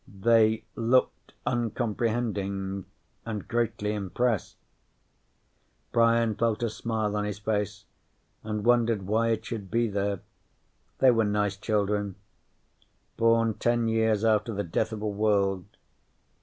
They looked uncomprehending and greatly impressed. Brian felt a smile on his face and wondered why it should be there. They were nice children. Born ten years after the death of a world.